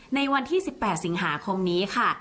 ในวันที่๑๘สิงหาคมนี้ค่ะ